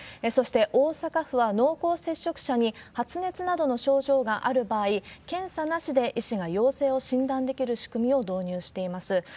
そして、大阪府は濃厚接触者に発熱などの症状がある場合、検査なしで医師が陽性を診断できる仕組みを導入しています。